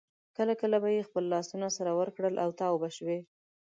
کله کله به یې خپل لاسونه سره ورکړل او تاو به شوې.